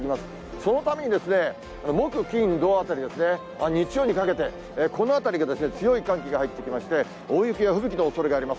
そのために木、金、土あたりですね、日曜にかけて、このあたりが強い寒気が入ってきまして、大雪や吹雪のおそれがあります。